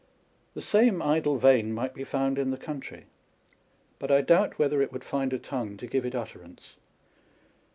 The same idle vein might be found in the country, but I doubt whether it would find a tongue to give it utter ance.